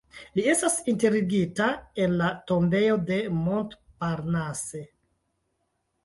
Li estas enterigita en la tombejo de Montparnasse.